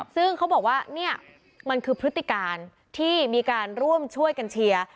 ซึ่งเขาบอกว่าเนี่ยมันคือพฤติการที่มีการร่วมช่วยกันเชียร์